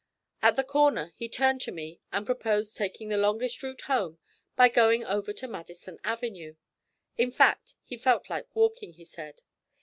At the corner he turned to me and proposed taking the longest route home by going over to Madison Avenue. In fact, he felt like walking, he said.